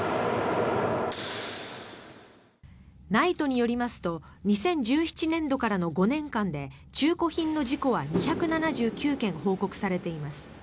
ＮＩＴＥによりますと２０１７年度からの５年間で中古品の事故は２７９件報告されています。